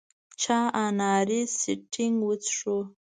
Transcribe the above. چا اناري سټینګ وڅښو.